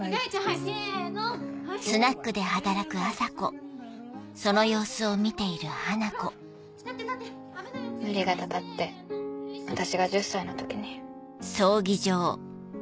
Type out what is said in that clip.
ほらほら立っ無理がたたって私が１０歳の時に。